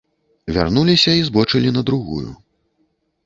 Вярнуліся і збочылі на другую.